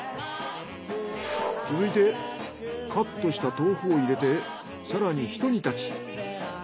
続いてカットした豆腐を入れて更にひと煮立ち。